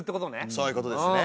そういうことですね。